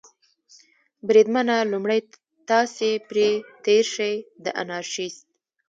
بریدمنه، لومړی تاسې پرې تېر شئ، د انارشیست.